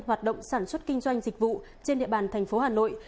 hoạt động sản xuất kinh doanh dịch vụ trên địa bàn thành phố hà nội